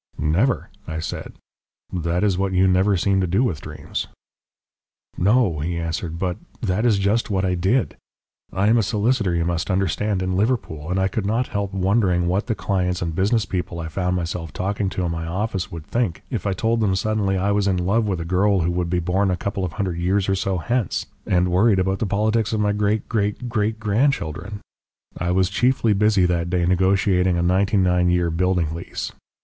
"Never," I said. "That is what you never seem to do with dreams." "No," he answered. "But that is just what I did. I am a solicitor, you must understand, in Liverpool, and I could not help wondering what the clients and business people I found myself talking to in my office would think if I told them suddenly I was in love with a girl who would be born a couple of hundred years or so hence, and worried about the politics of my great great great grandchildren. I was chiefly busy that day negotiating a ninety nine year building lease.